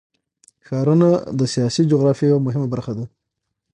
ښارونه د سیاسي جغرافیه یوه مهمه برخه ده.